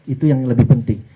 itu yang lebih penting